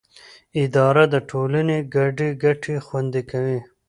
اداره د ټولنې ګډې ګټې خوندي کوي.